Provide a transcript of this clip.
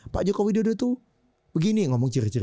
pak jokowi dodo tuh begini ngomong ciri ciri